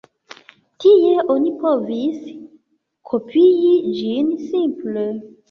Tie oni povis kopii ĝin simple.